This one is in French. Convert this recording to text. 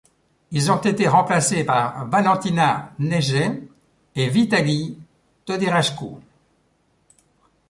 Ils ont été remplacés par Valentina Nejet et Vitalie Todirașcu.